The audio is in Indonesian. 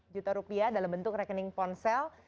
satu juta rupiah dalam bentuk rekening ponsel